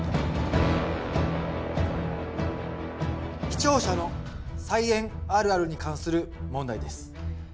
視聴者の「菜園あるある」に関する問題です。